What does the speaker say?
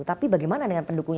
tapi bagaimana dengan pendukungnya